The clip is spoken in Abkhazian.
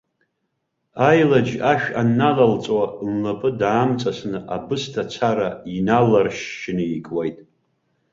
Аилаџь ашә анналалҵо, лнапы даамҵасны, абысҭа цара иналаршьшьны икуеит.